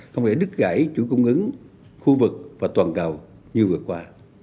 không để đứt gãy chuỗi cung ứng khu vực và toàn cầu như vừa qua